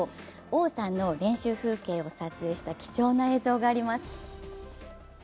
王さんの練習風景を撮影した貴重な映像があります。